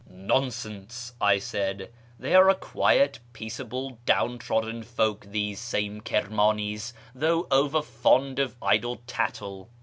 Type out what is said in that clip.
" Nonsense," I said, " they are a quiet, peaceable, down trodden folk, these same Kirmanis, though over fond of idle tattle.